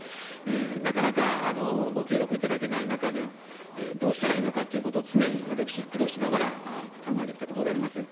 なかなかご協力いただけない中でどうしたらいいのかということを常に私、苦慮しながら、考えてきたところであります。